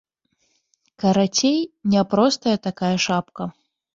Карацей, няпростая такая шапка.